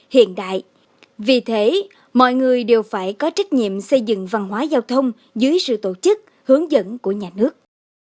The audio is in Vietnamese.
hiện đại vì thế mọi người đều phải có trách nhiệm xây dựng văn hóa giao thông dưới sự tổ chức hướng dẫn của nhà nước